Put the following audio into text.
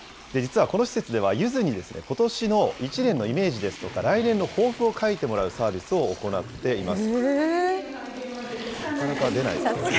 実はこの施設では、ゆずにことしの１年のイメージですとか、来年の抱負を書いてもらうサービスを行っています。